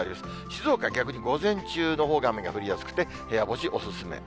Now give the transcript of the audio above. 静岡、逆に午前中のほうが雨が降りやすくて、部屋干しお勧め。